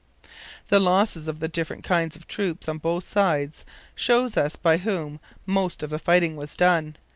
The losses of the different kinds of troops on both sides show us by whom most of the fighting was done.